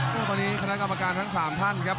ซึ่งตอนนี้คณะกรรมการทั้ง๓ท่านครับ